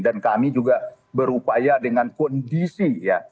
dan kami juga berupaya dengan kondisi ya